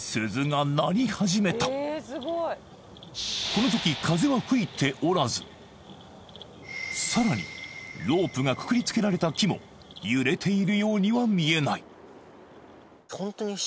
この時風は吹いておらずさらにロープがくくりつけられた木も揺れているようには見えない